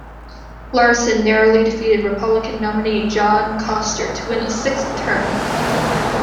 Larsen narrowly defeated Republican nominee John Koster to win a sixth term.